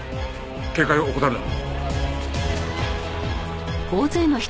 警戒を怠るな。